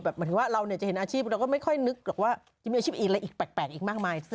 หมายถึงว่าเราจะเห็นอาชีพเราก็ไม่ค่อยนึกหรอกว่าจะมีอาชีพอื่นอะไรอีกแปลกอีกมากมาย